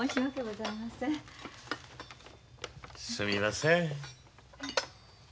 すみません。